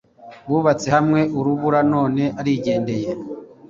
Bubatse hamwe urubura none arijyendeye